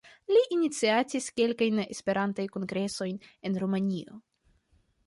Li iniciatis kelkajn Esperantaj kongresojn en Rumanio.